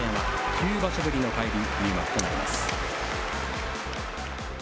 九場所ぶりの返り入幕となります。